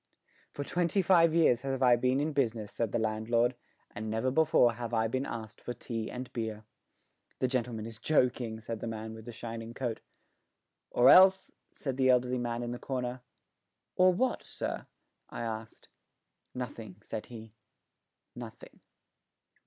"For twenty five years have I been in business," said the landlord, "and never before have I been asked for tea and beer." "The gentleman is joking," said the man with the shining coat. "Or else " said the elderly man in the corner. "Or what, sir?" I asked. "Nothing," said he "nothing."